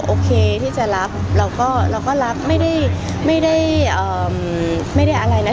โอเคที่จะรับเราก็เราก็รับไม่ได้ไม่ได้เอ่อไม่ได้อะไรน่ะ